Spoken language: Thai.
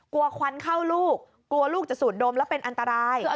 ควันเข้าลูกกลัวลูกจะสูดดมแล้วเป็นอันตราย